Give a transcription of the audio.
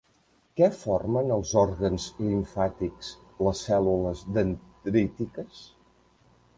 Què formen als òrgans limfàtics les cèl·lules dendrítiques?